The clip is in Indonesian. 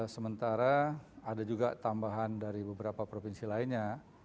sementara ada juga tambahan dari beberapa provinsi lainnya